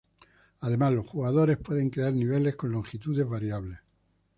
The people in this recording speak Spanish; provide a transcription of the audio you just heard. Además, los jugadores pueden crear niveles con longitudes variables.